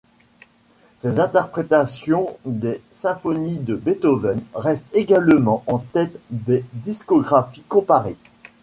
Ses interprétations des symphonies de Beethoven restent également en tête des discographies comparées.